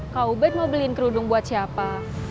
kau bed mau beliin kerudung buat siapa